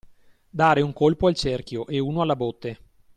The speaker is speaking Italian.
Dare un colpo al cerchio e uno alla botte.